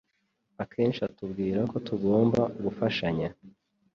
Akenshi atubwira ko tugomba gufashanya.